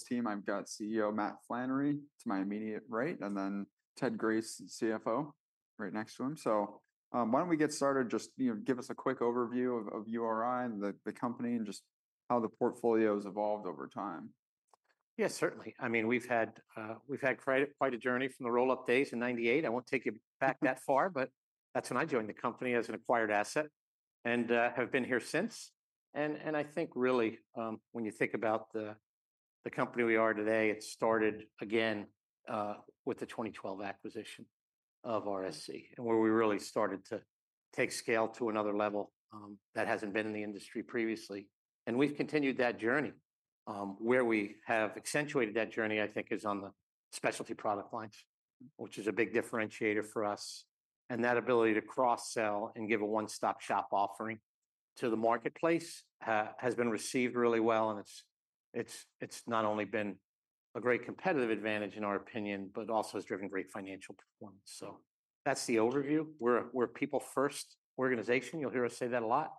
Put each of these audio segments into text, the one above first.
Team. I've got CEO Matt Flannery to my immediate right, and then Ted Grace, CFO, right next to him, so why don't we get started? Just give us a quick overview of URI and the company and just how the portfolio has evolved over time. Yeah, certainly. I mean, we've had quite a journey from the roll-up days in 18. I won't take you back that far, but that's when I joined the company as an acquired asset and have been here since. I think really, when you think about the company we are today, it started again with the 2012 acquisition of RSC, where we really started to take scale to another level that hasn't been in the industry previously. We've continued that journey. Where we have accentuated that journey, I think, is on the specialty product lines, which is a big differentiator for us. That ability to cross-sell and give a one-stop shop offering to the marketplace has been received really well. It's not only been a great competitive advantage, in our opinion, but also has driven great financial performance. That's the overview. We're a people-first organization. You'll hear us say that a lot.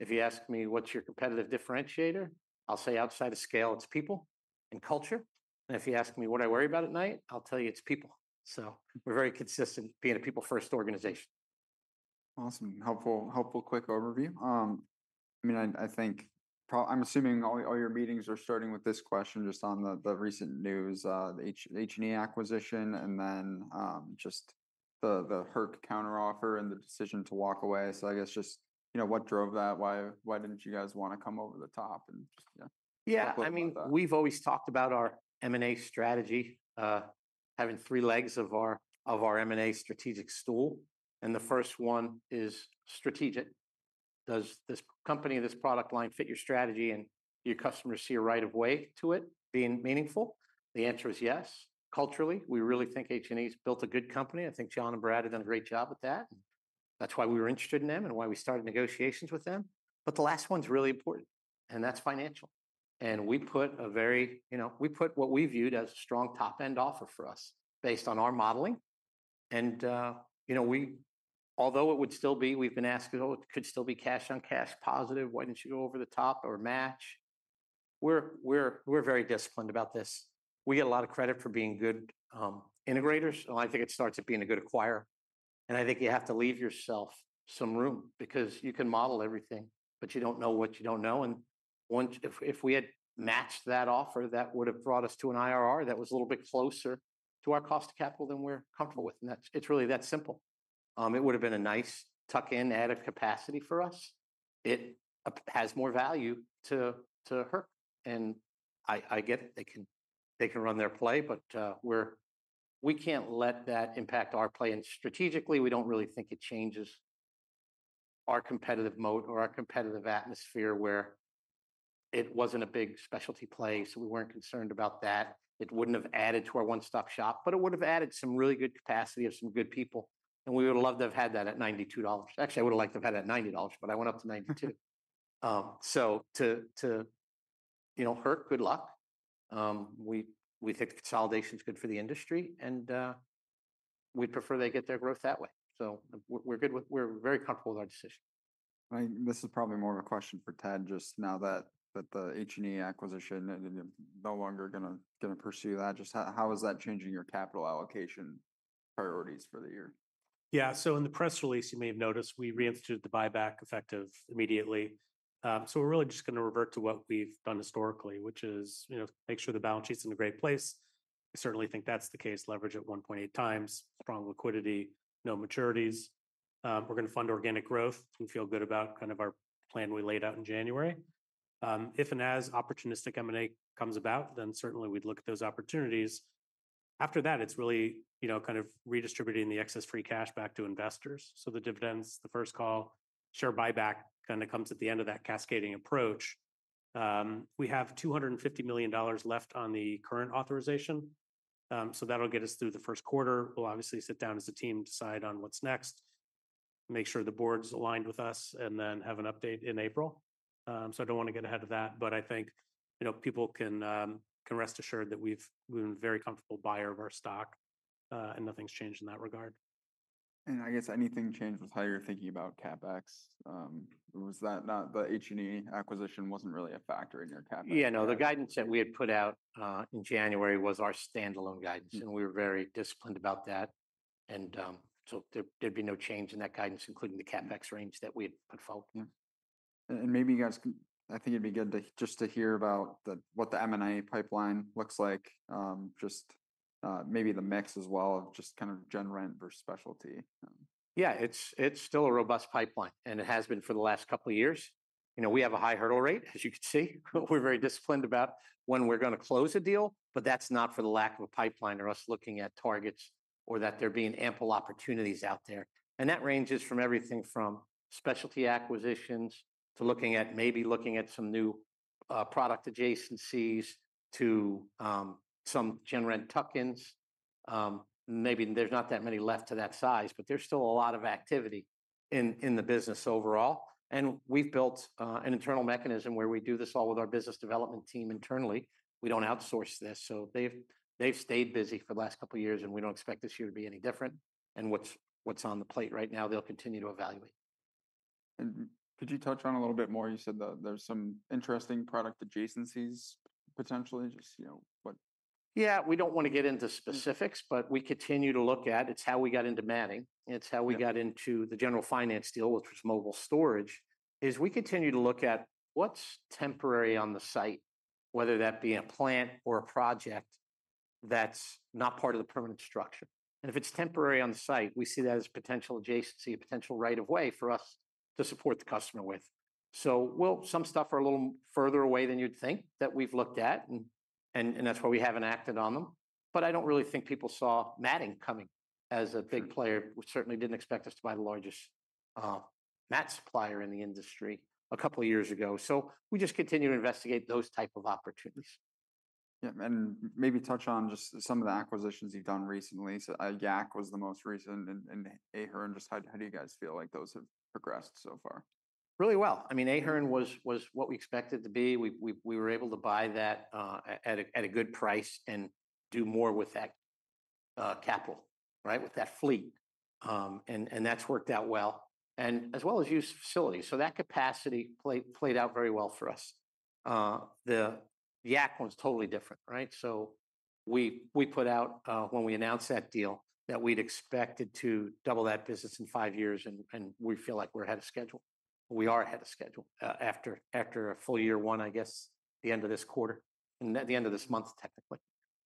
If you ask me, "What's your competitive differentiator?" I'll say, "Outside of scale, it's people and culture." And if you ask me, "What I worry about at night?" I'll tell you, "It's people." So we're very consistent being a people-first organization. Awesome. Helpful quick overview. I mean, I'm assuming all your meetings are starting with this question just on the recent news, the H&E acquisition, and then just the counteroffer and the decision to walk away. So I guess just what drove that? Why didn't you guys want to come over the top? Yeah. I mean, we've always talked about our M&A strategy, having three legs of our M&A strategic stool. And the first one is strategic. Does this company, this product line fit your strategy? And do your customers see a right of way to it being meaningful? The answer is yes. Culturally, we really think H&E's built a good company. I think John and Brad have done a great job with that. That's why we were interested in them and why we started negotiations with them. But the last one's really important, and that's financial. And we put what we viewed as a strong top-end offer for us based on our modeling. And although it would still be—we've been asked, "Oh, it could still be cash-on-cash positive. Why didn't you go over the top or match?" We're very disciplined about this. We get a lot of credit for being good integrators, and I think it starts at being a good acquirer, and I think you have to leave yourself some room because you can model everything, but you don't know what you don't know, and if we had matched that offer, that would have brought us to an IRR that was a little bit closer to our cost of capital than we're comfortable with, and it's really that simple. It would have been a nice tuck-in, added capacity for us. It has more value to HERC, and I get it. They can run their play, but we can't let that impact our play, and strategically, we don't really think it changes our competitive moat or our competitive atmosphere where it wasn't a big specialty play, so we weren't concerned about that. It wouldn't have added to our one-stop shop, but it would have added some really good capacity of some good people. And we would have loved to have had that at $2. Actually, I would have liked to have had it at $0, but I went up to $2. So to HERC, good luck. We think the consolidation is good for the industry, and we'd prefer they get their growth that way. So we're very comfortable with our decision. This is probably more of a question for Ted, just now that the H&E acquisition no longer going to pursue that. Just how is that changing your capital allocation priorities for the year? Yeah. So in the press release, you may have noticed we reinstituted the buyback effective immediately. So we're really just going to revert to what we've done historically, which is make sure the balance sheet's in a great place. We certainly think that's the case: leverage at 1.8 times, strong liquidity, no maturities. We're going to fund organic growth and feel good about kind of our plan we laid out in January. If and as opportunistic M&A comes about, then certainly we'd look at those opportunities. After that, it's really kind of redistributing the excess free cash back to investors. So the dividends, the first call, share buyback kind of comes at the end of that cascading approach. We have $250 million left on the current authorization. So that'll get us through the first quarter. We'll obviously sit down as a team, decide on what's next, make sure the board's aligned with us, and then have an update in April. So I don't want to get ahead of that. But I think people can rest assured that we've been a very comfortable buyer of our stock, and nothing's changed in that regard. I guess anything changed with how you're thinking about? Was that not the H&E acquisition? Wasn't really a factor in your? Yeah. No, the guidance that we had put out in January was our standalone guidance, and we were very disciplined about that, and so there'd be no change in that guidance, including the range that we had put forward. Maybe you guys, I think it'd be good just to hear about what the M&A pipeline looks like, just maybe the mix as well of just kind of gen rent versus specialty. Yeah. It's still a robust pipeline, and it has been for the last couple of years. We have a high hurdle rate, as you can see. We're very disciplined about when we're going to close a deal, but that's not for the lack of a pipeline or us looking at targets or that there being ample opportunities out there. And that ranges from everything from specialty acquisitions to looking at maybe some new product adjacencies to some gen rent tuck-ins. Maybe there's not that many left to that size, but there's still a lot of activity in the business overall. And we've built an internal mechanism where we do this all with our business development team internally. We don't outsource this. So they've stayed busy for the last couple of years, and we don't expect this year to be any different. What's on the plate right now, they'll continue to evaluate. Could you touch on a little bit more? You said there's some interesting product adjacencies potentially. Just what? Yeah. We don't want to get into specifics, but we continue to look at. It's how we got into matting. It's how we got into the General Finance deal with Mobile Storage. Is we continue to look at what's temporary on the site, whether that be a plant or a project that's not part of the permanent structure. And if it's temporary on the site, we see that as potential adjacency, a potential right of way for us to support the customer with. So some stuff are a little further away than you'd think that we've looked at, and that's why we haven't acted on them. But I don't really think people saw matting coming as a big player. We certainly didn't expect us to buy the largest matting supplier in the industry a couple of years ago. So we just continue to investigate those type of opportunities. Yeah. And maybe touch on just some of the acquisitions you've done recently. So YAC was the most recent, and Ahern, just how do you guys feel like those have progressed so far? Really well. I mean, Ahern was what we expected to be. We were able to buy that at a good price and do more with that capital, right, with that fleet. And that's worked out well, as well as used facilities. So that capacity played out very well for us. The YAC one's totally different, right? So we put out, when we announced that deal, that we'd expected to double that business in five years, and we feel like we're ahead of schedule. We are ahead of schedule after a full year one, I guess, the end of this quarter, the end of this month, technically.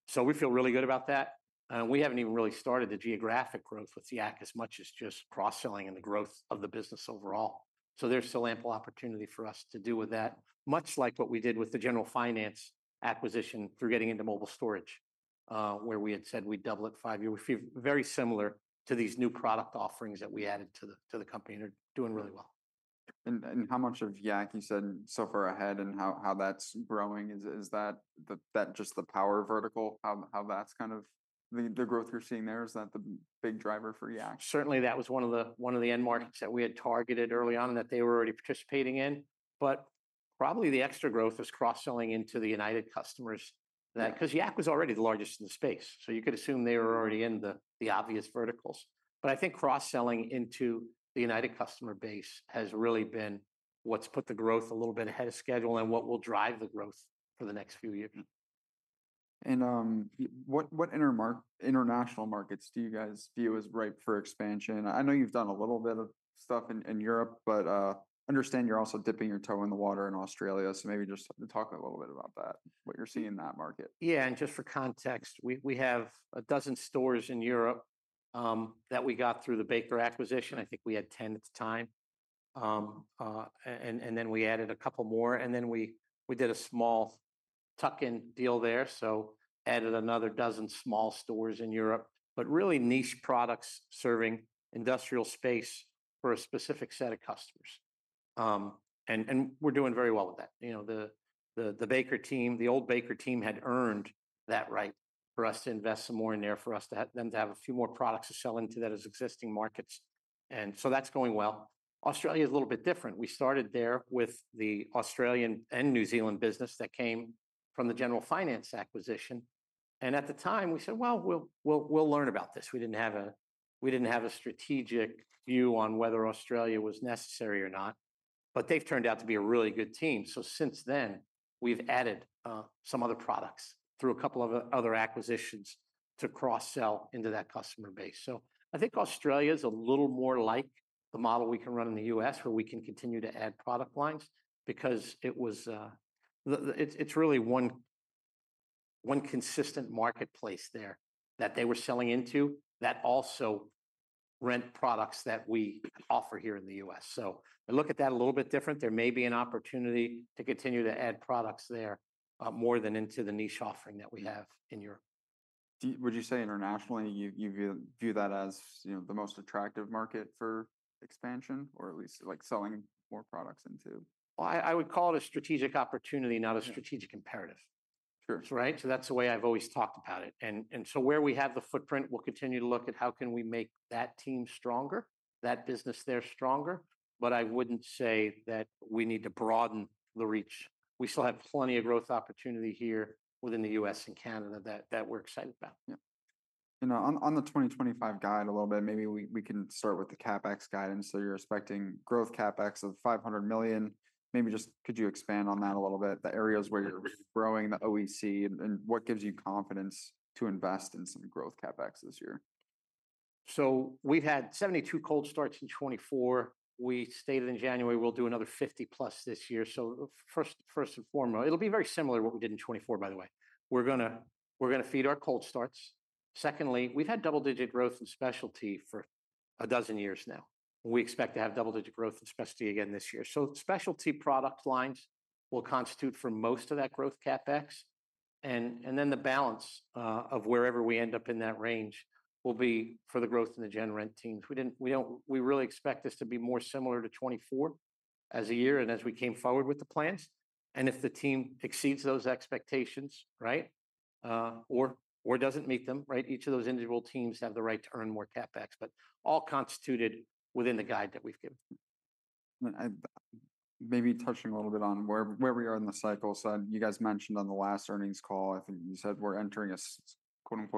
So we feel really good about that. And we haven't even really started the geographic growth with YAC as much as just cross-selling and the growth of the business overall. So, there's still ample opportunity for us to do with that, much like what we did with the General Finance acquisition through getting into Mobile Storage, where we had said we'd double it five years, very similar to these new product offerings that we added to the company and are doing really well. How much of YAC, you said, so far ahead and how that's growing? Is that just the power vertical, how that's kind of the growth you're seeing there? Is that the big driver for YAC? Certainly, that was one of the end markets that we had targeted early on and that they were already participating in. But probably the extra growth is cross-selling into the United customers because YAC was already the largest in the space. So you could assume they were already in the obvious verticals. But I think cross-selling into the United customer base has really been what's put the growth a little bit ahead of schedule and what will drive the growth for the next few years. And what international markets do you guys view as ripe for expansion? I know you've done a little bit of stuff in Europe, but I understand you're also dipping your toe in the water in Australia. So maybe just talk a little bit about that, what you're seeing in that market. Yeah, and just for context, we have a dozen stores in Europe that we got through the Baker acquisition. I think we had 10 at the time, and then we added a couple more. And then we did a small tuck-in deal there, so added another dozen small stores in Europe, but really niche products serving industrial space for a specific set of customers. And we're doing very well with that. The Baker team, the old Baker team, had earned that right for us to invest some more in there for us to have them to have a few more products to sell into that as existing markets. And so that's going well. Australia is a little bit different. We started there with the Australian and New Zealand business that came from the General Finance acquisition. At the time, we said, "Well, we'll learn about this." We didn't have a strategic view on whether Australia was necessary or not. But they've turned out to be a really good team. So since then, we've added some other products through a couple of other acquisitions to cross-sell into that customer base. So I think Australia is a little more like the model we can run in the US, where we can continue to add product lines because it's really one consistent marketplace there that they were selling into that also rent products that we offer here in the US. So I look at that a little bit different. There may be an opportunity to continue to add products there more than into the niche offering that we have in Europe. Would you say internationally, you view that as the most attractive market for expansion or at least selling more products into? I would call it a strategic opportunity, not a strategic imperative. Sure. Right? So that's the way I've always talked about it. And so where we have the footprint, we'll continue to look at how can we make that team stronger, that business there stronger. But I wouldn't say that we need to broaden the reach. We still have plenty of growth opportunity here within the US and Canada that we're excited about. Yeah. And on the 2025 guide a little bit, maybe we can start with the CapEx guidance. So you're expecting growth CapEx of $500 million. Maybe just could you expand on that a little bit? The areas where you're growing, the OEC, and what gives you confidence to invest in some growth CapEx this year? So we've had 72 cold starts in 2024. We stated in January, we'll do another 50-plus this year. So first and foremost, it'll be very similar to what we did in 2024, by the way. We're going to feed our cold starts. Secondly, we've had double-digit growth in specialty for a dozen years now. We expect to have double-digit growth in specialty again this year. So specialty product lines will constitute for most of that growth CapEx. And then the balance of wherever we end up in that range will be for the growth in the gen rent teams. We really expect this to be more similar to 2024 as a year and as we came forward with the plans. If the team exceeds those expectations, right, or doesn't meet them, right, each of those individual teams have the right to earn more CapEx, but all constituted within the guide that we've given. Maybe touching a little bit on where we are in the cycle. So you guys mentioned on the last earnings call, I think you said we're entering a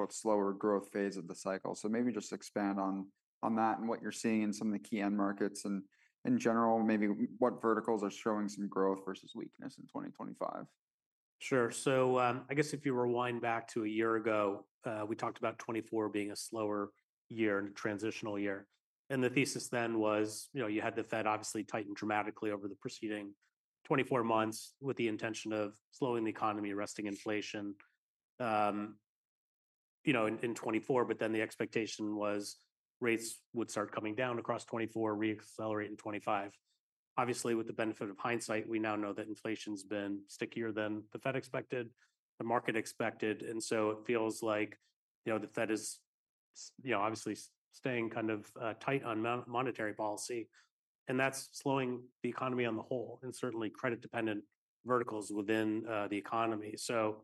"slower growth phase" of the cycle. So maybe just expand on that and what you're seeing in some of the key end markets and in general, maybe what verticals are showing some growth versus weakness in 2025. Sure. So I guess if you rewind back to a year ago, we talked about 2024 being a slower year and a transitional year. And the thesis then was you had the Fed obviously tighten dramatically over the preceding 24 months with the intention of slowing the economy, arresting inflation in 2024, but then the expectation was rates would start coming down across 2024, reaccelerate in 2025. Obviously, with the benefit of hindsight, we now know that inflation's been stickier than the Fed expected, the market expected. And so it feels like the Fed is obviously staying kind of tight on monetary policy, and that's slowing the economy on the whole and certainly credit-dependent verticals within the economy. So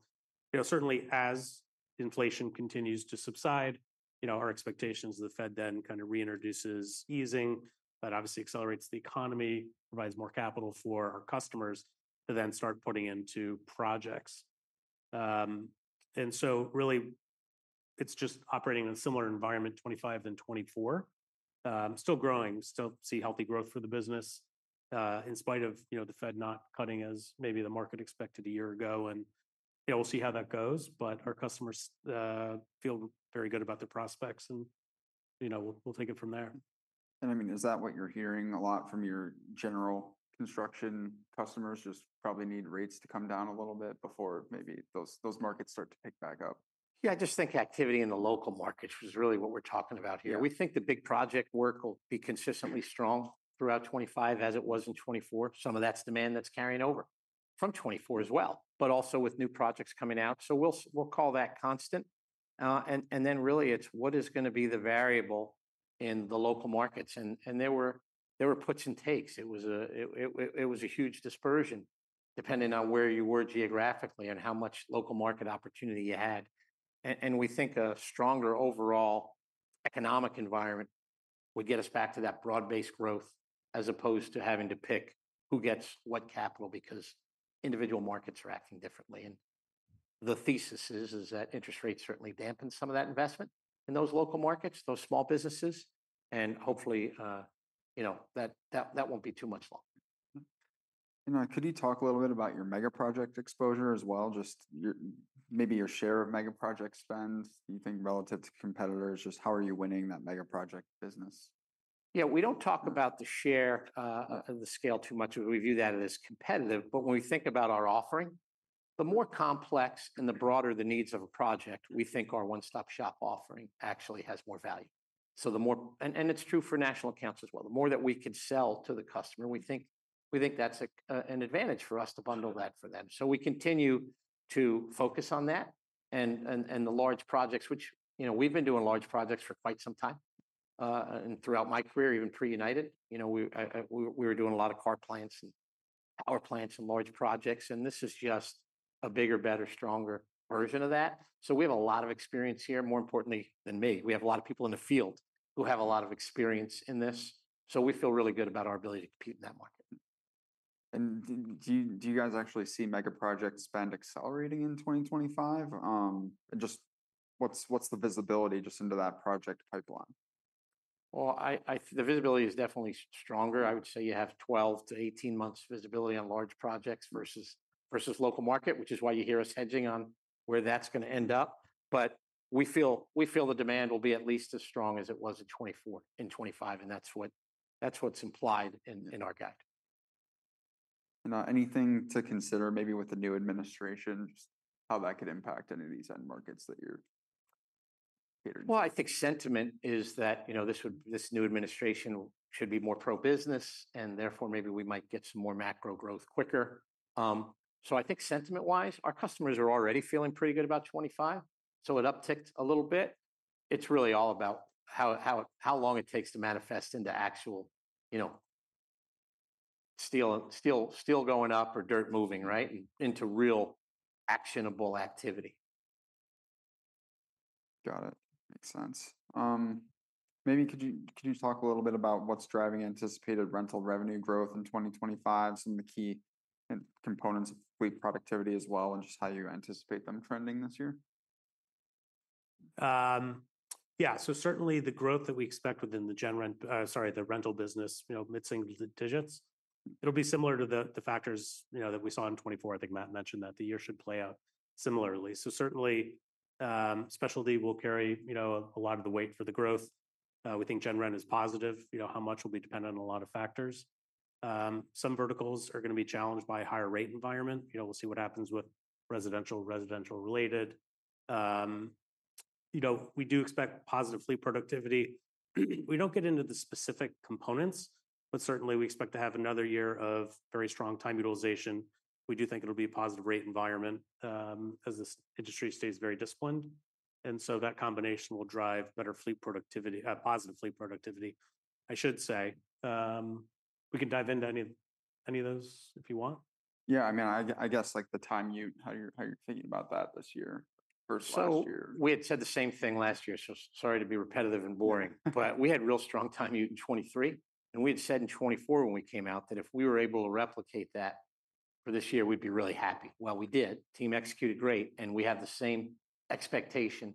certainly, as inflation continues to subside, our expectations of the Fed then kind of reintroduces easing, but obviously accelerates the economy, provides more capital for our customers to then start putting into projects. And so really, it's just operating in a similar environment 2025 than 2024. Still growing, still see healthy growth for the business in spite of the Fed not cutting as maybe the market expected a year ago. And we'll see how that goes, but our customers feel very good about the prospects, and we'll take it from there. I mean, is that what you're hearing a lot from your general construction customers? Just probably need rates to come down a little bit before maybe those markets start to pick back up. Yeah. I just think activity in the local markets was really what we're talking about here. We think the big project work will be consistently strong throughout 2025 as it was in 2024. Some of that's demand that's carrying over from 2024 as well, but also with new projects coming out, so we'll call that constant, and then really, it's what is going to be the variable in the local markets, and there were puts and takes. It was a huge dispersion depending on where you were geographically and how much local market opportunity you had, and we think a stronger overall economic environment would get us back to that broad-based growth as opposed to having to pick who gets what capital because individual markets are acting differently. The thesis is that interest rates certainly dampen some of that investment in those local markets, those small businesses, and hopefully that won't be too much longer. Could you talk a little bit about your mega project exposure as well, just maybe your share of megaproject spend, you think, relative to competitors? Just how are you winning that megaproject business? Yeah. We don't talk about the share of the scale too much. We view that as competitive. But when we think about our offering, the more complex and the broader the needs of a project, we think our one-stop shop offering actually has more value. And it's true for national accounts as well. The more that we can sell to the customer, we think that's an advantage for us to bundle that for them. So we continue to focus on that and the large projects, which we've been doing large projects for quite some time throughout my career, even pre-United. We were doing a lot of car plants and power plants and large projects. And this is just a bigger, better, stronger version of that. So we have a lot of experience here, more importantly than me. We have a lot of people in the field who have a lot of experience in this. So we feel really good about our ability to compete in that market. Do you guys actually see mega project spend accelerating in 2025? Just what's the visibility into that project pipeline? The visibility is definitely stronger. I would say you have 12-18 months visibility on large projects versus local market, which is why you hear us hedging on where that's going to end up. But we feel the demand will be at least as strong as it was in 2024 and 2025, and that's what's implied in our guide. Anything to consider maybe with the new administration, just how that could impact any of these end markets that you're catering to? I think sentiment is that this new administration should be more pro-business, and therefore maybe we might get some more macro growth quicker. I think sentiment-wise, our customers are already feeling pretty good about 2025. It uptick a little bit. It's really all about how long it takes to manifest into actual steel going up or dirt moving, right, into real actionable activity. Got it. Makes sense. Maybe could you talk a little bit about what's driving anticipated rental revenue growth in 2025, some of the key components of fleet productivity as well, and just how you anticipate them trending this year? Yeah, so certainly the growth that we expect within the gen rent, sorry, the rental business, it'll be similar to the factors that we saw in 2024. I think Matt mentioned that the year should play out similarly, so certainly, specialty will carry a lot of the weight for the growth. We think gen rent is positive. How much will be dependent on a lot of factors. Some verticals are going to be challenged by a higher rate environment. We'll see what happens with residential, residential-related. We do expect positive fleet productivity. We don't get into the specific components, but certainly we expect to have another year of very strong time utilization. We do think it'll be a positive rate environment as this industry stays very disciplined, and so that combination will drive better fleet productivity, positive fleet productivity, I should say. We can dive into any of those if you want. Yeah. I mean, I guess the timing of how you're thinking about that this year versus last year. So we had said the same thing last year. So sorry to be repetitive and boring, but we had real strong time utilization in 2023. And we had said in 2024 when we came out that if we were able to replicate that for this year, we'd be really happy. Well, we did. Team executed great, and we have the same expectation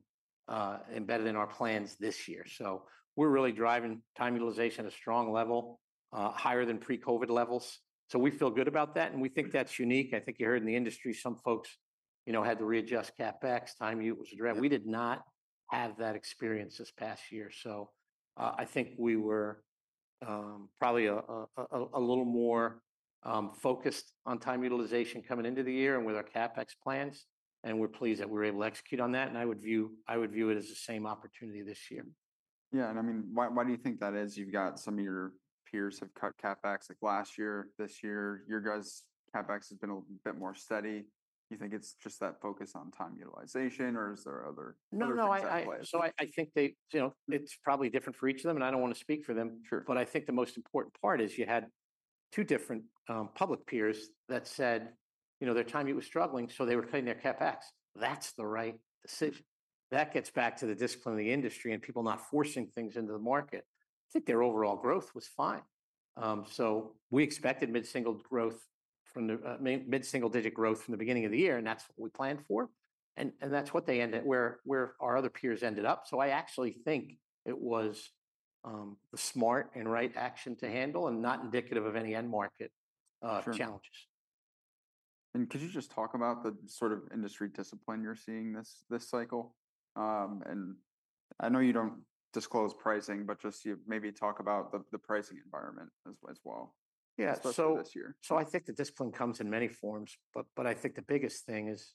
embedded in our plans this year. So we're really driving time utilization at a strong level, higher than pre-COVID levels. So we feel good about that. And we think that's unique. I think you heard in the industry, some folks had to readjust CapEx. Time utilization was a drag. We did not have that experience this past year. So I think we were probably a little more focused on time utilization coming into the year and with our CapEx plans. We're pleased that we were able to execute on that. I would view it as the same opportunity this year. Yeah. And I mean, why do you think that is? You've got some of your peers have cut CapEx like last year. This year, your guys' CapEx has been a bit more steady. You think it's just that focus on time utilization, or is there other? No, no, so I think it's probably different for each of them, and I don't want to speak for them, but I think the most important part is you had two different public peers that said their time utilization was struggling, so they were cutting their CapEx. That's the right decision. That gets back to the discipline of the industry and people not forcing things into the market. I think their overall growth was fine, so we expected mid-single growth, mid-single digit growth from the beginning of the year, and that's what we planned for. And that's what they ended where our other peers ended up, so I actually think it was the smart and right action to handle and not indicative of any end market challenges. Could you just talk about the sort of industry discipline you're seeing this cycle? I know you don't disclose pricing, but just maybe talk about the pricing environment as well this year. Yeah. So I think the discipline comes in many forms, but I think the biggest thing is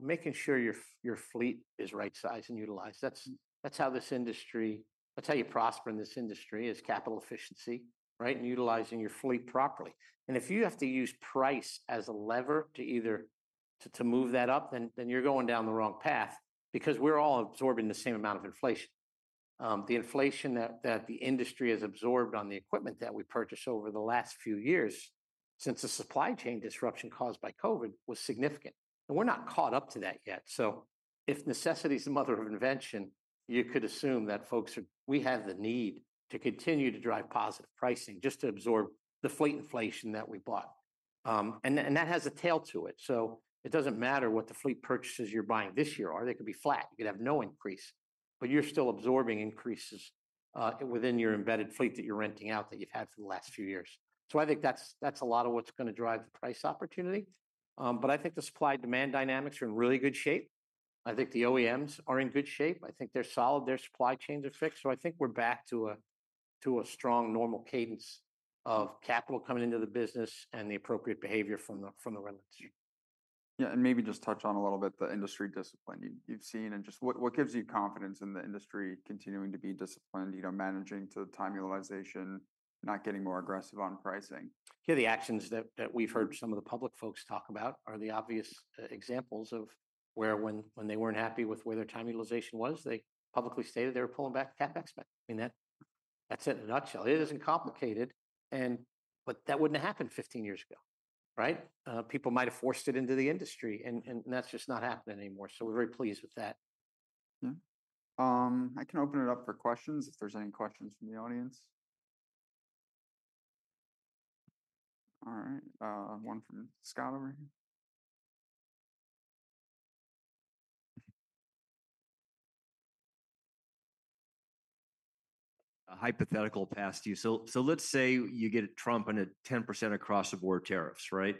making sure your fleet is right size and utilized. That's how you prosper in this industry is capital efficiency, right, and utilizing your fleet properly. And if you have to use price as a lever to move that up, then you're going down the wrong path because we're all absorbing the same amount of inflation. The inflation that the industry has absorbed on the equipment that we purchased over the last few years since the supply chain disruption caused by COVID was significant. And we're not caught up to that yet. So if necessity is the mother of invention, you could assume that folks, we have the need to continue to drive positive pricing just to absorb the fleet inflation that we bought. And that has a tail to it. So it doesn't matter what the fleet purchases you're buying this year are. They could be flat. You could have no increase, but you're still absorbing increases within your embedded fleet that you're renting out that you've had for the last few years. So I think that's a lot of what's going to drive the price opportunity. But I think the supply-demand dynamics are in really good shape. I think the OEMs are in good shape. I think they're solid. Their supply chains are fixed. So I think we're back to a strong normal cadence of capital coming into the business and the appropriate behavior from the rentals. Yeah. And maybe just touch on a little bit the industry discipline you've seen and just what gives you confidence in the industry continuing to be disciplined, managing to time utilization, not getting more aggressive on pricing? Yeah. The actions that we've heard some of the public folks talk about are the obvious examples of where when they weren't happy with where their time utilization was, they publicly stated they were pulling back CapEx spend. I mean, that's it in a nutshell. It isn't complicated, but that wouldn't have happened 15 years ago, right? People might have forced it into the industry, and that's just not happening anymore. So we're very pleased with that. I can open it up for questions if there's any questions from the audience. All right. One from Scott over here. A hypothetical past you. So let's say you get a Trump and a 10% across-the-board tariffs, right?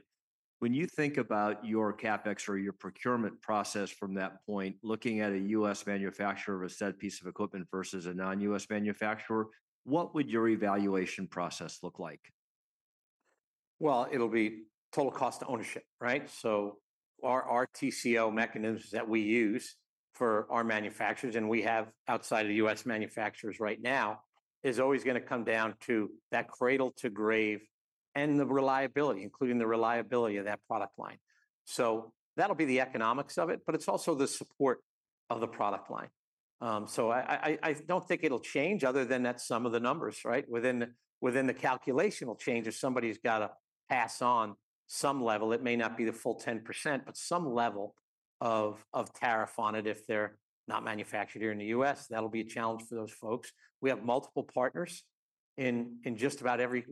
When you think about your CapEx or your procurement process from that point, looking at a U.S. manufacturer of a said piece of equipment versus a non-US manufacturer, what would your evaluation process look like? Well, it'll be total cost of ownership, right? So our TCO mechanisms that we use for our manufacturers and we have outside of the US manufacturers right now is always going to come down to that cradle to grave and the reliability, including the reliability of that product line. So that'll be the economics of it, but it's also the support of the product line. So I don't think it'll change other than that some of the numbers, right? Within the calculation, it'll change if somebody's got to pass on some level. It may not be the full 10%, but some level of tariff on it if they're not manufactured here in the U.S. That'll be a challenge for those folks. We have multiple partners in just about every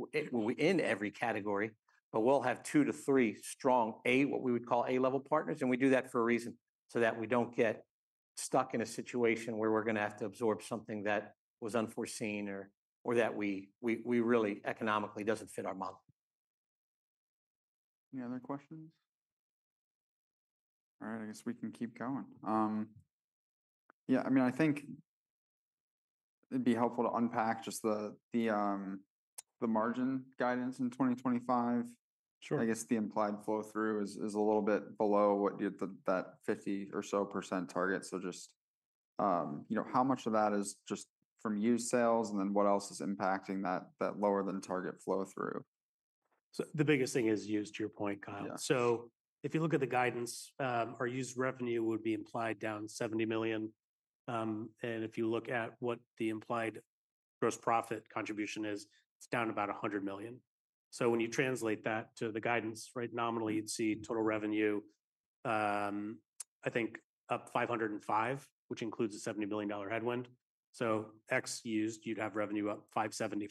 category, but we'll have two to three strong, what we would call A-level partners. We do that for a reason so that we don't get stuck in a situation where we're going to have to absorb something that was unforeseen or that we really economically doesn't fit our model. Any other questions? All right. I guess we can keep going. Yeah. I mean, I think it'd be helpful to unpack just the margin guidance in 2025. I guess the implied flow-through is a little bit below that 50% or so target. So just how much of that is just from used sales, and then what else is impacting that lower-than-target flow-through? The biggest thing is used, to your point, Kyle. If you look at the guidance, our used revenue would be implied down $70 million. And if you look at what the implied gross profit contribution is, it's down about $100 million. So when you translate that to the guidance, right, nominally, you'd see total revenue, I think, up $505 million, which includes a $70 million headwind. So ex used, you'd have revenue up $575 million.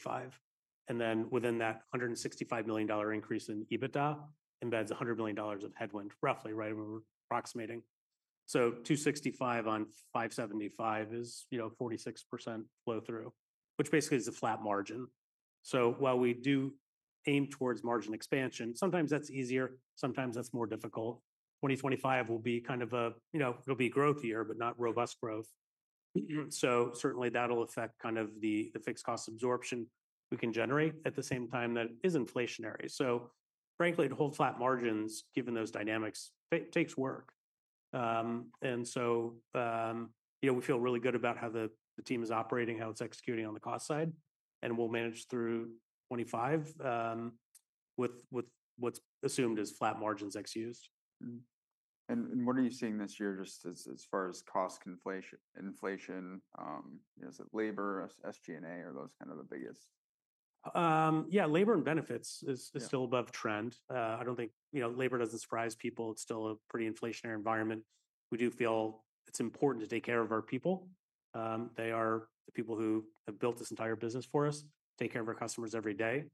And then within that $165 million increase in EBITDA embeds $100 million of headwind, roughly, right? We're approximating. So $265 million on $575 million is 46% flow-through, which basically is a flat margin. So while we do aim towards margin expansion, sometimes that's easier. Sometimes that's more difficult. 2025 will be kind of a it'll be growth year, but not robust growth. So certainly that'll affect kind of the fixed cost absorption we can generate at the same time that is inflationary. So frankly, to hold flat margins given those dynamics takes work. And so we feel really good about how the team is operating, how it's executing on the cost side. And we'll manage through 2025 with what's assumed as flat margins ex-used. What are you seeing this year just as far as cost inflation? Is it labor, SG&A, or those kind of the biggest? Yeah. Labor and benefits is still above trend. I don't think labor doesn't surprise people. It's still a pretty inflationary environment. We do feel it's important to take care of our people. They are the people who have built this entire business for us, take care of our customers every day.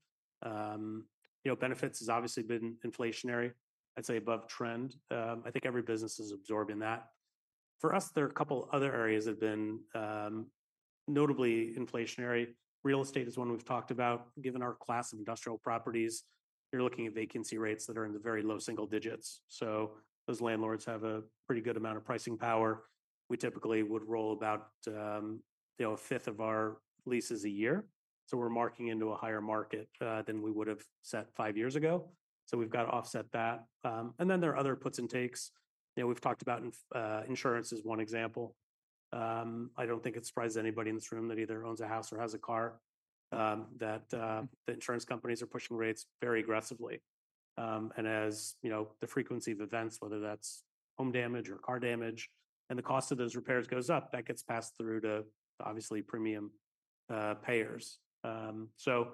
Benefits has obviously been inflationary. I'd say above trend. I think every business is absorbing that. For us, there are a couple of other areas that have been notably inflationary. Real estate is one we've talked about. Given our class of industrial properties, you're looking at vacancy rates that are in the very low single digits. So those landlords have a pretty good amount of pricing power. We typically would roll about a fifth of our leases a year. So we're marking into a higher market than we would have set five years ago. So we've got to offset that. And then there are other puts and takes. We've talked about insurance as one example. I don't think it surprises anybody in this room that either owns a house or has a car that the insurance companies are pushing rates very aggressively. And as the frequency of events, whether that's home damage or car damage, and the cost of those repairs goes up, that gets passed through to obviously premium payers. So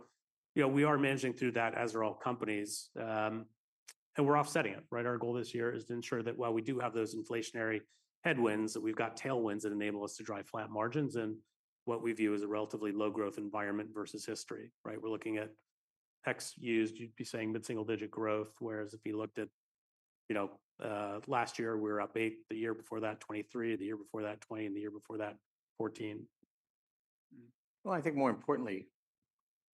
we are managing through that as are all companies. And we're offsetting it, right? Our goal this year is to ensure that while we do have those inflationary headwinds, that we've got tailwinds that enable us to drive flat margins in what we view as a relatively low-growth environment versus history, right? We're looking at ex-used. You'd be saying mid-single-digit growth, whereas if you looked at last year, we were up 8%. The year before that, 23%. The year before that, 20%, and the year before that, 14%. I think more importantly,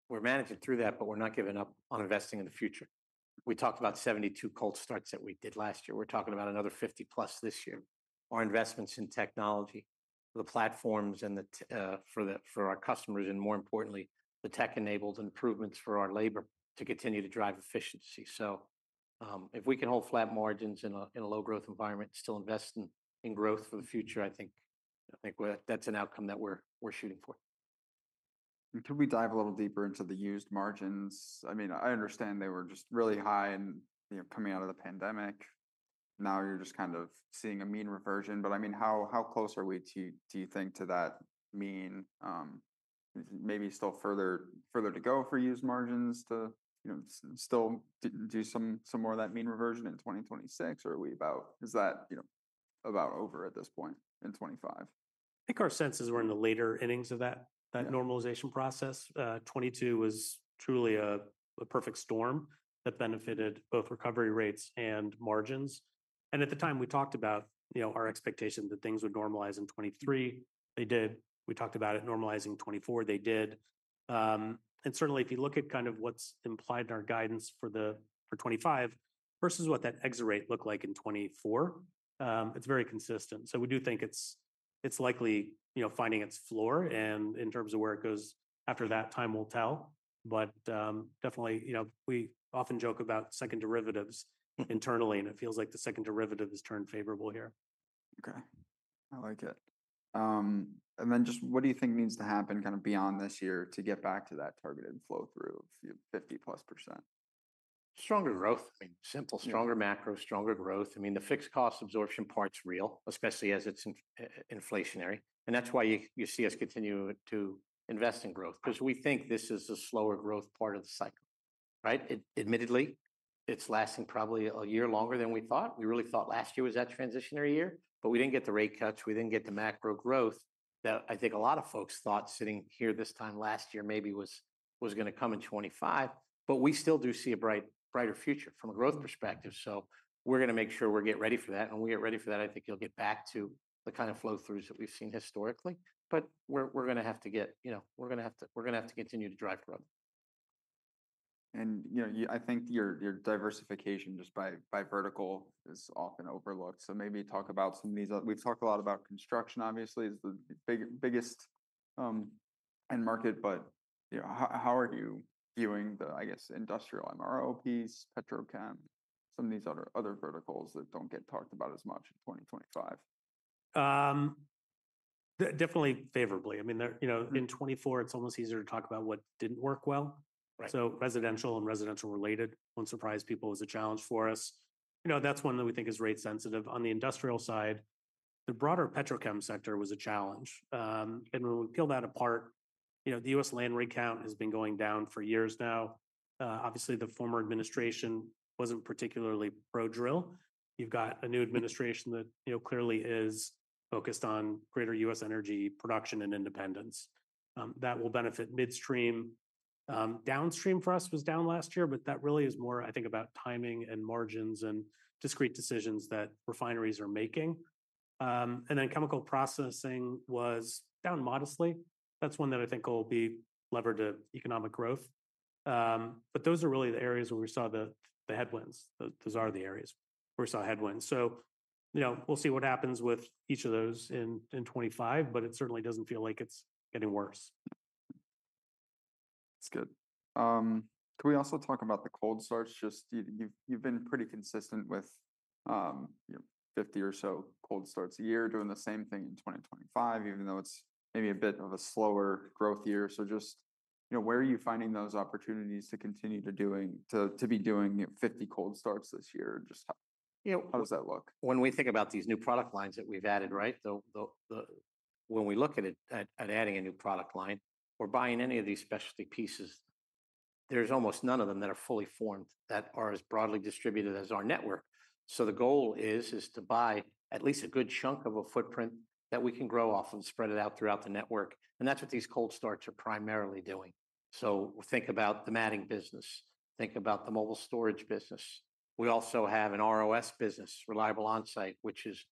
we're managing through that, but we're not giving up on investing in the future. We talked about 72 cold starts that we did last year. We're talking about another 50-plus this year. Our investments in technology, the platforms for our customers, and more importantly, the tech-enabled improvements for our labor to continue to drive efficiency. So if we can hold flat margins in a low-growth environment, still invest in growth for the future, I think that's an outcome that we're shooting for. Could we dive a little deeper into the used margins? I mean, I understand they were just really high and coming out of the pandemic. Now you're just kind of seeing a mean reversion. But I mean, how close are we, do you think, to that mean? Maybe still further to go for used margins to still do some more of that mean reversion in 2026, or is that about over at this point in 2025? I think our senses were in the later innings of that normalization process. 2022 was truly a perfect storm that benefited both recovery rates and margins. And at the time, we talked about our expectation that things would normalize in 2023. They did. We talked about it normalizing 2024. They did. And certainly, if you look at kind of what's implied in our guidance for 2025 versus what that exit rate looked like in 2024, it's very consistent. So we do think it's likely finding its floor. And in terms of where it goes after that, time will tell. But definitely, we often joke about second derivatives internally, and it feels like the second derivative has turned favorable here. Okay. I like it. And then just what do you think needs to happen kind of beyond this year to get back to that targeted flow-through of 50-plus%? Stronger growth. I mean, simple, stronger macro, stronger growth. I mean, the fixed cost absorption part's real, especially as it's inflationary. And that's why you see us continue to invest in growth because we think this is a slower growth part of the cycle, right? Admittedly, it's lasting probably a year longer than we thought. We really thought last year was that transitionary year, but we didn't get the rate cuts. We didn't get the macro growth that I think a lot of folks thought sitting here this time last year maybe was going to come in 2025. But we still do see a brighter future from a growth perspective. So we're going to make sure we get ready for that. And when we get ready for that, I think you'll get back to the kind of flow-throughs that we've seen historically. But we're going to have to continue to drive growth. I think your diversification just by vertical is often overlooked. Maybe talk about some of these. We've talked a lot about construction, obviously, is the biggest end market. How are you viewing the, I guess, industrial MRO piece,, some of these other verticals that don't get talked about as much in 2025? Definitely favorably. I mean, in 2024, it's almost easier to talk about what didn't work well. So residential and residential-related, won't surprise people, was a challenge for us. That's one that we think is rate-sensitive. On the industrial side, the broader sector was a challenge. And when we peel that apart, the US land rig count has been going down for years now. Obviously, the former administration wasn't particularly pro-drill. You've got a new administration that clearly is focused on greater US energy production and independence. That will benefit midstream. Downstream for us was down last year, but that really is more, I think, about timing and margins and discrete decisions that refineries are making. And then chemical processing was down modestly. That's one that I think will be levered to economic growth. But those are really the areas where we saw the headwinds. Those are the areas where we saw headwinds. So we'll see what happens with each of those in 2025, but it certainly doesn't feel like it's getting worse. That's good. Can we also talk about the cold starts? Just you've been pretty consistent with 50 or so cold starts a year, doing the same thing in 2025, even though it's maybe a bit of a slower growth year. So just where are you finding those opportunities to continue to be doing 50 cold starts this year? Just how does that look? When we think about these new product lines that we've added, right? When we look at adding a new product line or buying any of these specialty pieces, there's almost none of them that are fully formed that are as broadly distributed as our network. So the goal is to buy at least a good chunk of a footprint that we can grow off and spread it out throughout the network. And that's what these cold starts are primarily doing. So think about the matting business. Think about the mobile storage business. We also have an ROS business, Reliable Onsite, which is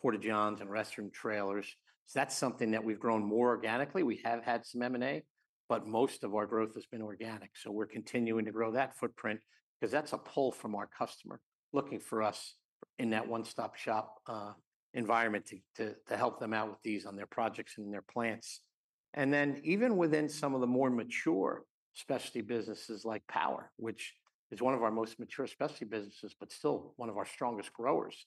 porta-johns and restroom trailers. That's something that we've grown more organically. We have had some M&A, but most of our growth has been organic. So we're continuing to grow that footprint because that's a pull from our customer looking for us in that one-stop shop environment to help them out with these on their projects and their plants. And then even within some of the more mature specialty businesses like power, which is one of our most mature specialty businesses, but still one of our strongest growers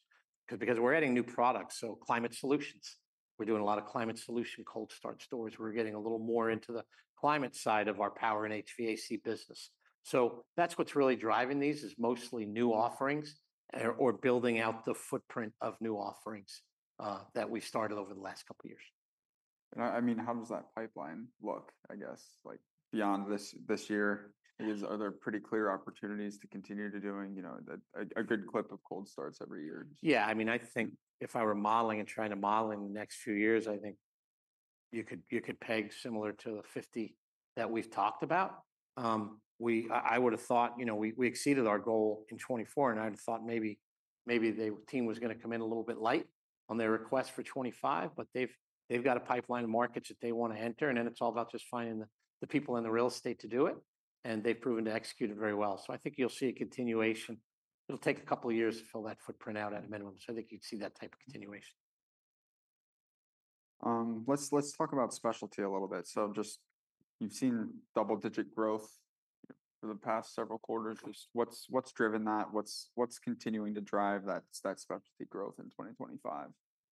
because we're adding new products. So climate solutions. We're doing a lot of climate solution cold start stores. We're getting a little more into the climate side of our power and HVAC business. So that's what's really driving these is mostly new offerings or building out the footprint of new offerings that we've started over the last couple of years. I mean, how does that pipeline look, I guess, beyond this year? Are there pretty clear opportunities to continue to do a good clip of cold starts every year? Yeah. I mean, I think if I were modeling and trying to model in the next few years, I think you could peg similar to the 50 that we've talked about. I would have thought we exceeded our goal in 2024, and I'd have thought maybe the team was going to come in a little bit late on their request for 2025, but they've got a pipeline of markets that they want to enter, and then it's all about just finding the people in the real estate to do it. And they've proven to execute it very well. So I think you'll see a continuation. It'll take a couple of years to fill that footprint out at a minimum. So I think you'd see that type of continuation. Let's talk about specialty a little bit. So just you've seen double-digit growth for the past several quarters. What's driven that? What's continuing to drive that specialty growth in 2025?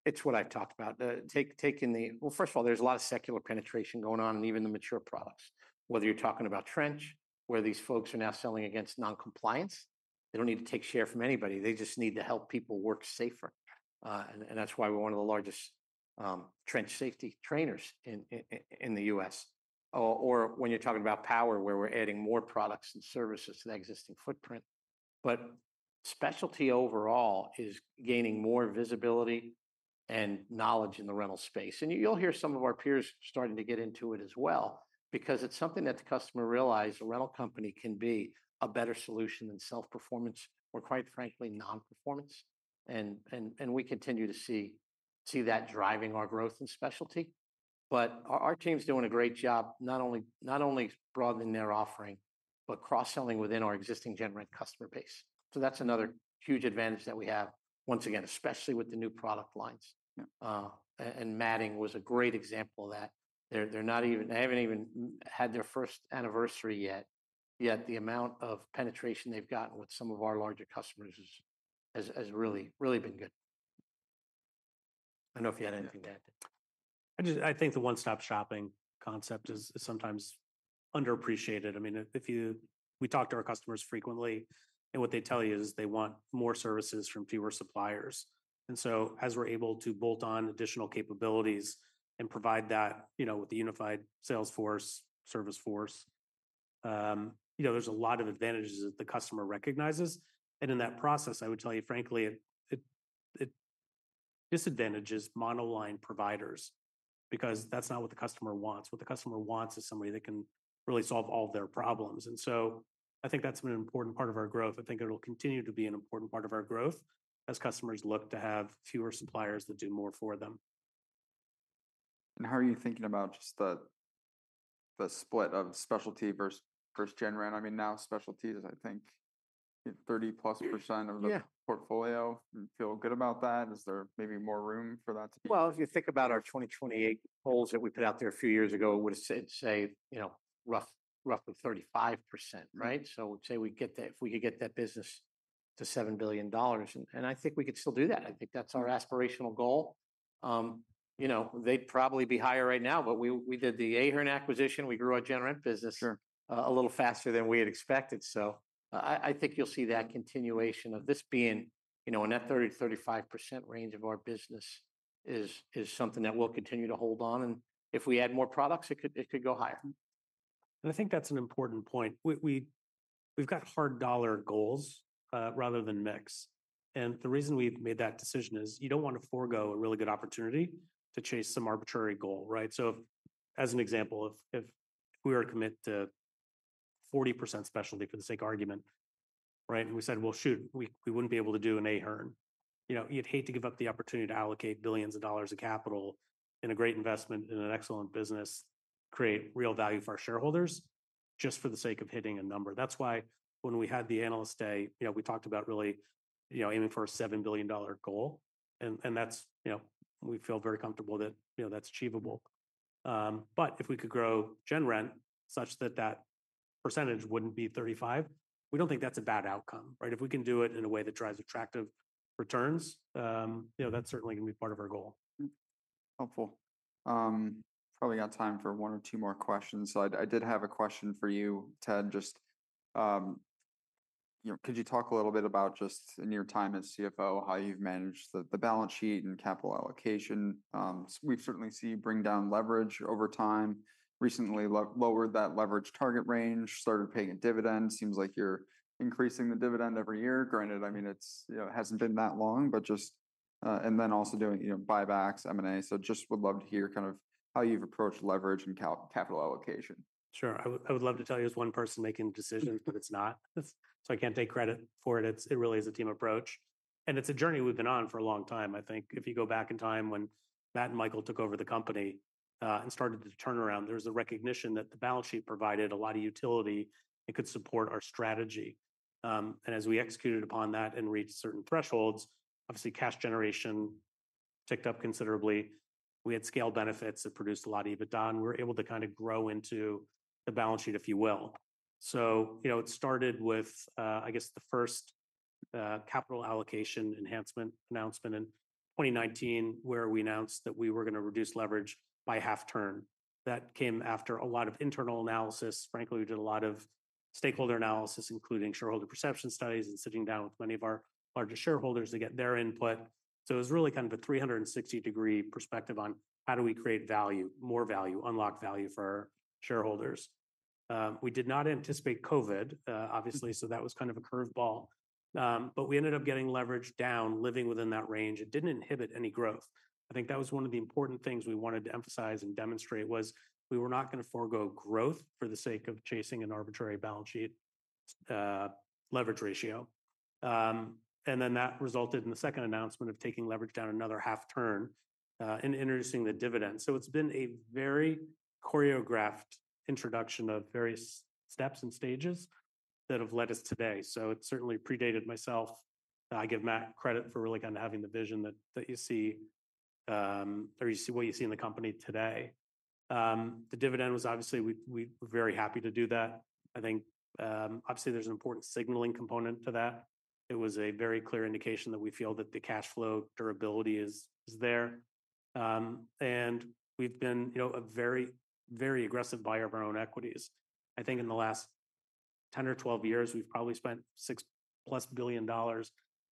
It's what I've talked about. Well, first of all, there's a lot of secular penetration going on in even the mature products. Whether you're talking about trench, where these folks are now selling against non-compliance, they don't need to take share from anybody. They just need to help people work safer. And that's why we're one of the largest trench safety trainers in the US or when you're talking about power, where we're adding more products and services to the existing footprint. But specialty overall is gaining more visibility and knowledge in the rental space. And you'll hear some of our peers starting to get into it as well because it's something that the customer realized a rental company can be a better solution than self-performance or, quite frankly, non-performance. And we continue to see that driving our growth in specialty. But our team's doing a great job not only broadening their offering, but cross-selling within our existing gen-rent customer base. So that's another huge advantage that we have, once again, especially with the new product lines. And matting was a great example of that. They haven't even had their first anniversary yet. Yet the amount of penetration they've gotten with some of our larger customers has really been good. I don't know if you had anything to add to that. I think the one-stop shopping concept is sometimes underappreciated. I mean, we talk to our customers frequently, and what they tell you is they want more services from fewer suppliers, and so as we're able to bolt on additional capabilities and provide that with the unified sales force, service force, there's a lot of advantages that the customer recognizes, and in that process, I would tell you, frankly, it disadvantages monoline providers because that's not what the customer wants. What the customer wants is somebody that can really solve all of their problems, and so I think that's an important part of our growth. I think it'll continue to be an important part of our growth as customers look to have fewer suppliers that do more for them. How are you thinking about just the split of specialty versus gen rent? I mean, now specialty is, I think, 30-plus% of the portfolio. Feel good about that? Is there maybe more room for that to be? If you think about our 2028 goals that we put out there a few years ago, it would say roughly 35%, right? So say we get that, if we could get that business to $7 billion. I think we could still do that. I think that's our aspirational goal. They'd probably be higher right now, but we did the Ahern acquisition. We grew our gen-rent business a little faster than we had expected. I think you'll see that continuation of this being in that 30-35% range of our business is something that we'll continue to hold on. If we add more products, it could go higher. I think that's an important point. We've got hard dollar goals rather than mix. The reason we've made that decision is you don't want to forgo a really good opportunity to chase some arbitrary goal, right? So as an example, if we were to commit to 40% specialty for the sake of argument, right, and we said, "Well, shoot, we wouldn't be able to do an Ahern," you'd hate to give up the opportunity to allocate billions of dollars of capital in a great investment in an excellent business, create real value for our shareholders just for the sake of hitting a number. That's why when we had the analyst day, we talked about really aiming for a $7 billion goal. We feel very comfortable that that's achievable. But if we could grow gen rent such that that percentage wouldn't be 35%, we don't think that's a bad outcome, right? If we can do it in a way that drives attractive returns, that's certainly going to be part of our goal. Helpful. Probably got time for one or two more questions. So I did have a question for you, Ted. Just could you talk a little bit about just in your time as CFO, how you've managed the balance sheet and capital allocation? We've certainly seen you bring down leverage over time. Recently lowered that leverage target range, started paying a dividend. Seems like you're increasing the dividend every year. Granted, I mean, it hasn't been that long, but just and then also doing buybacks, M&A. So just would love to hear kind of how you've approached leverage and capital allocation. Sure. I would love to tell you it's one person making decisions, but it's not. So I can't take credit for it. It really is a team approach. And it's a journey we've been on for a long time, I think. If you go back in time when Matt and Michael took over the company and started the turnaround, there was a recognition that the balance sheet provided a lot of utility. It could support our strategy. And as we executed upon that and reached certain thresholds, obviously, cash generation ticked up considerably. We had scale benefits that produced a lot of EBITDA. And we were able to kind of grow into the balance sheet, if you will. So it started with, I guess, the first capital allocation enhancement announcement in 2019, where we announced that we were going to reduce leverage by half turn. That came after a lot of internal analysis. Frankly, we did a lot of stakeholder analysis, including shareholder perception studies and sitting down with many of our largest shareholders to get their input. So it was really kind of a 360-degree perspective on how do we create value, more value, unlock value for our shareholders. We did not anticipate COVID, obviously, so that was kind of a curveball. But we ended up getting leverage down, living within that range. It didn't inhibit any growth. I think that was one of the important things we wanted to emphasize and demonstrate was we were not going to forgo growth for the sake of chasing an arbitrary balance sheet leverage ratio. And then that resulted in the second announcement of taking leverage down another half turn and introducing the dividend. So it's been a very choreographed introduction of various steps and stages that have led us today. So it certainly predated myself. I give Matt credit for really kind of having the vision that you see or what you see in the company today. The dividend was obviously we were very happy to do that. I think, obviously, there's an important signaling component to that. It was a very clear indication that we feel that the cash flow durability is there. And we've been a very, very aggressive buyer of our own equities. I think in the last 10 or 12 years, we've probably spent $6-plus billion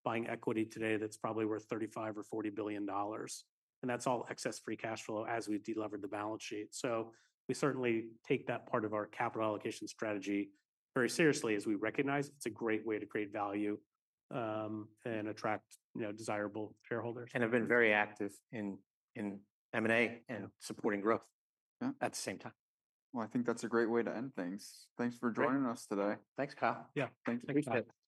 buying equity today that's probably worth $35 billion or $40 billion. And that's all excess free cash flow as we delivered the balance sheet. We certainly take that part of our capital allocation strategy very seriously as we recognize it's a great way to create value and attract desirable shareholders. Have been very active in M&A and supporting growth at the same time. I think that's a great way to end things. Thanks for joining us today. Thanks, Kyle. Yeah. Thanks. Thanks you. Thanks.